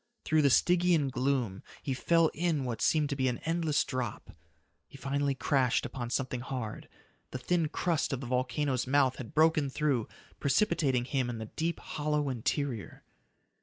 Through the Stygian gloom he fell in what seemed to be an endless drop. He finally crashed upon something hard. The thin crust of the volcano's mouth had broken through, precipitating him into the deep, hollow interior.